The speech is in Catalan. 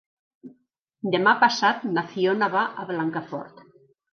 Demà passat na Fiona va a Blancafort.